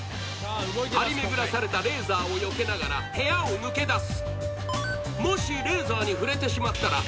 張り巡らされたレーザーをよけながら部屋を抜け出す。